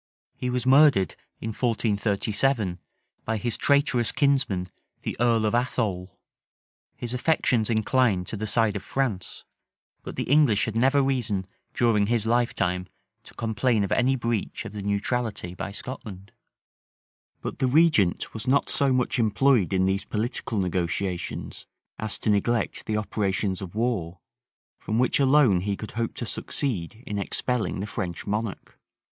He was murdered, in 1437, by his traitorous kinsman the earl of Athole. His affections inclined to the side of France; but the English had never reason during his lifetime to complain of any breach of the neutrality by Scotland. * Hall, fol. 86. Stowe, p. 364. Grafton, p. 501. * Rymer, vol. x. p. 299, 300, 326. But the regent was not so much employed in these political negotiations as to neglect the operations of war, from which alone he could hope to succeed in expelling the French monarch.